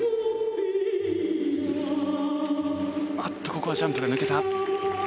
ここはジャンプが抜けた。